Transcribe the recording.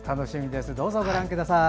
どうぞご覧ください。